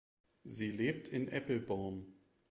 Sie lebt in Eppelborn.